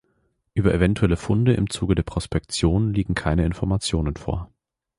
Über eventuelle Funde im Zuge der Prospektion liegen keine Informationen vor.